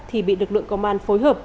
thì bị lực lượng công an phối hợp